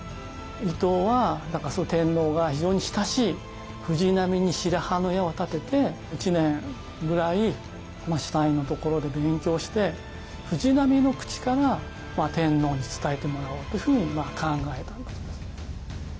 伊藤は天皇が非常に親しい藤波に白羽の矢を立てて１年ぐらいシュタインのところで勉強して藤波の口から天皇に伝えてもらおうというふうに考えたわけです。